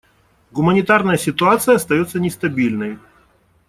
Гуманитарная ситуация остается нестабильной.